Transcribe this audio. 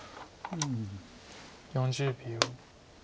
４０秒。